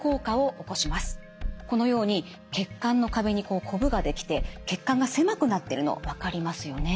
このように血管の壁にこぶができて血管が狭くなってるの分かりますよね。